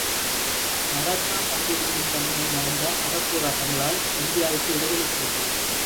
மகாத்மாக காந்தியடிகளின் தலைமையில் நடந்த அறப் போராட்டங்களால் இந்தியாவுக்கு விடுதலை கிடைத்தது.